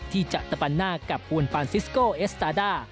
ที่จะตะปันหน้ากับฮูนปานซิสโกเอสตาด้า